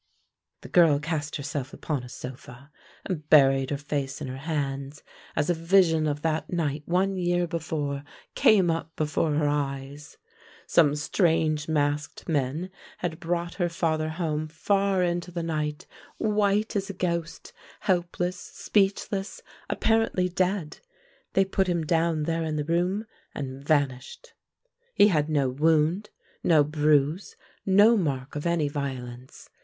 The girl cast herself upon a sofa and buried her face in her hands, as a vision of that night one year before came up before her eyes. Some strange masked men had brought her father home far in the night, white as a ghost, helpless, speechless, apparently dead. They put him down there in the room and vanished. He had no wound, no bruise, no mark of any violence.